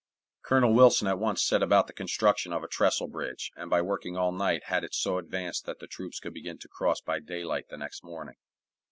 Colonel Wilson at once set about the construction of a trestle bridge, and by working all night had it so advanced that the troops could begin to cross by daylight the next morning.